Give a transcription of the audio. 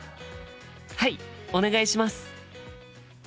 はいお願いします。